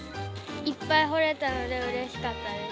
いっぱい掘れたのでうれしかったです。